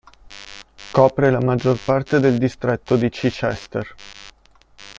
Copre la maggior parte del distretto di Chichester.